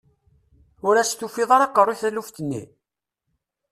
Ur as-tufiḍ ara aqerru i taluft-nni?